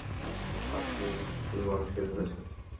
আপনি ভুল মানুষকে ধরেছেন।